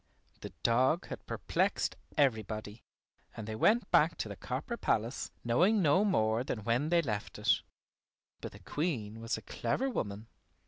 The dog had perplexed everybody, and they went back to the copper palace knowing no more than when they left it. But the Queen was a clever woman.